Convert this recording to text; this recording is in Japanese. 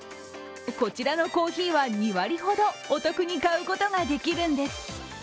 こちらのコーヒーは２割ほどお得に買うことができるんです。